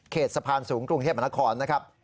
เขตสะพานสูงกรุงเทพมนักขอร์นนะครับ